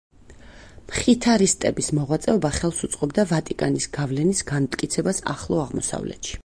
მხითარისტების მოღვაწეობა ხელს უწყობდა ვატიკანის გავლენის განმტკიცებას ახლო აღმოსავლეთში.